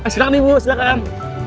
silahkan ibu silahkan